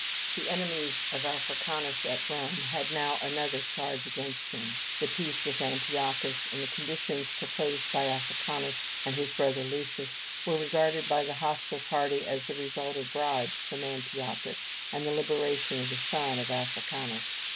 The enemies of Africanus at Rome had now another charge against him. The peace with Antiochus, and the conditions proposed by Africanus and his brother Lucius, were regarded by the hostile party as the result of bribes from Antiochus, and of the liberation of the son of Africanus.